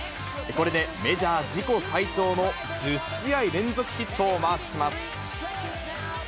これでメジャー自己最長の１０試合連続ヒットをマークします。